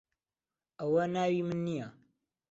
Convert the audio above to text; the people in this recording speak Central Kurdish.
ئەوە ناوی من نییە.